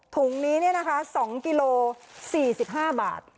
ถุงนี้๒กิโล๔๕บาท